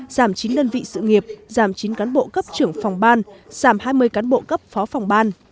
giảm chín đơn vị sự nghiệp giảm chín cán bộ cấp trưởng phòng ban giảm hai mươi cán bộ cấp phó phòng ban